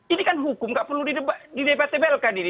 ini kan hukum gak perlu didebat debelkan ini